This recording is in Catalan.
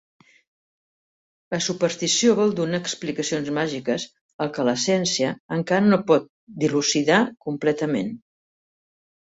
La superstició vol donar explicacions màgiques al que la ciència encara no pot dilucidar completament.